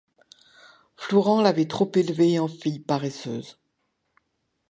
Florent l’avait trop élevé en fille paresseuse.